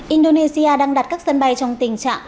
indonesia đang đặt các sân bay trong tình trạng